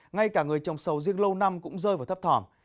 ngay cả người trồng sầu riêng lâu năm cũng rơi vào thấp thỏm